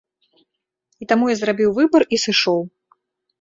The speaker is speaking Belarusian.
І таму я зрабіў выбар і сышоў.